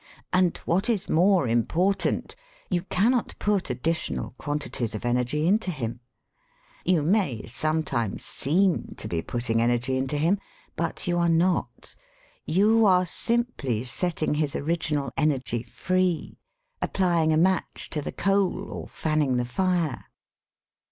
And, what is more important, you cannot put additional quantities of energy into him. You may sometimes seem to be putting energy into him, but you are not ; you are simply setting his original energy free, applying a match to the coal or fanning the fire.